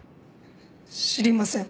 知りません。